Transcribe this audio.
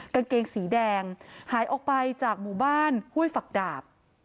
กางเกงสีแดงหายออกไปจากหมู่บ้านห้วยฝักดาบ